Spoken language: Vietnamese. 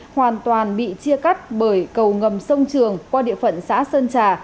hoàn toàn bị chia cắt bởi cầu ngầm sông trường qua địa phận xã sơn trà